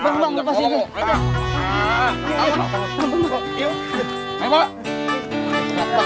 lepet banget sepatunya mbak